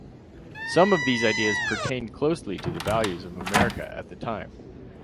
Some of these ideas pertained closely to the values of America at the time.